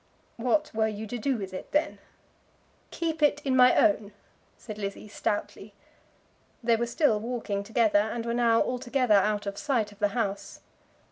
"What were you to do with it, then?" "Keep it in my own," said Lizzie stoutly. They were still walking together, and were now altogether out of sight of the house.